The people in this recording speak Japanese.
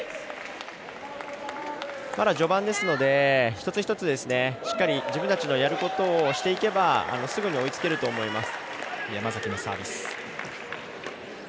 まだ序盤ですので一つ一つしっかり、自分たちのやることをしていけばすぐに追いつけると思います。